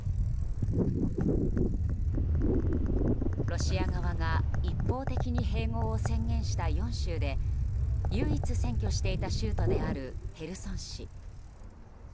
ロシア側が一方的に併合を宣言した４州で唯一、占拠していた州都であるヘルソン市。